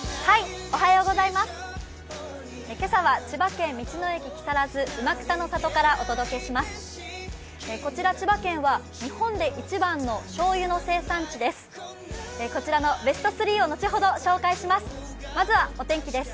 今朝は千葉県道の駅木更津うまくたの里からお届けします。